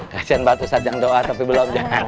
kasian banget ustadz yang doa tapi belum